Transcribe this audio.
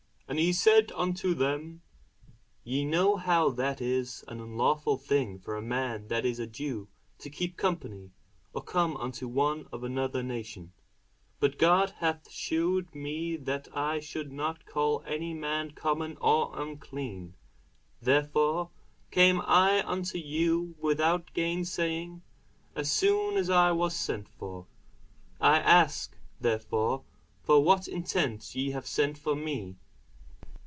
And he said unto them, Ye know how that it is an unlawful thing for a man that is a Jew to keep company, or come unto one of another nation; but God hath shewed me that I should not call any man common or unclean. Therefore came I unto you without gainsaying, as soon as I was sent for: I ask therefore for what intent ye have sent for me?